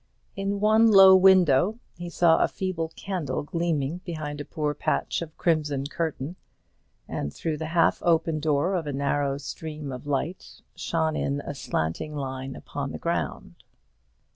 In one low window he saw a feeble candle gleaming behind a poor patch of crimson curtain, and through the half open door a narrow stream of light shone in a slanting line upon the ground.